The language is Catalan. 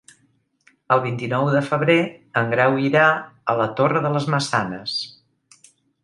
El vint-i-nou de febrer en Grau irà a la Torre de les Maçanes.